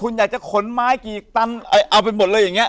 คุณอยากจะขนไม้กี่ตันเอาไปหมดเลยอย่างนี้